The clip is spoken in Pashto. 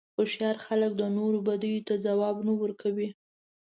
هوښیار خلک د نورو بدیو ته ځواب نه ورکوي.